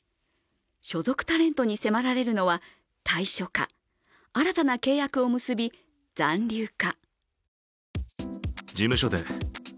所属タレントに迫られるのは退所か、新たな契約を結び、残留か。